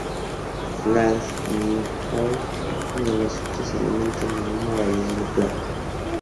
Las ninfas y adultos se alimentan de una variedad de plantas.